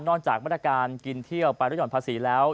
จากมาตรการกินเที่ยวไปลดห่อนภาษีแล้ว